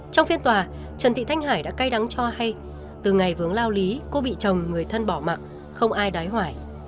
trong phiên tòa trần thị thanh hải đã cay đắng cho hay từ ngày vướng lao lý cô bị chồng người thân bỏ mặt không ai đói hoài